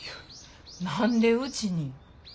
何でうちに？